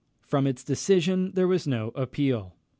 From its decision there was no appeal.